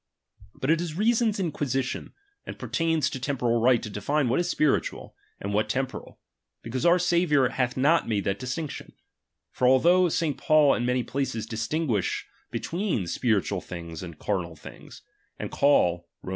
But it is reason's inquisition, and pertains to temporal right to define what is spiritual, and what temporal; because our Sa viour hath not made that distinction , For although St. Paul in many places distinguish between spiri tual things and carnal things; and call (Rom.